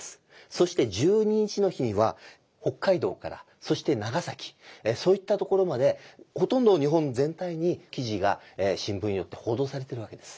そして１２日の日には北海道からそして長崎そういったところまでほとんど日本全体に記事が新聞によって報道されてるわけです。